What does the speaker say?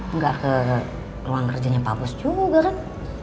enggak ke ruang kerjanya pak bos juga kan